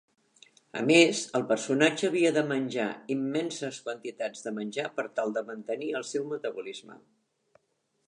A més, el personatge havia de menjar immenses quantitats de menjar per tal de mantenir el seu metabolisme.